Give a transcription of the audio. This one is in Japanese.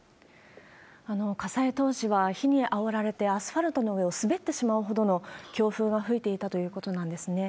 火災当時は火にあおられて、アスファルトの上を滑ってしまうほどの強風が吹いていたということなんですね。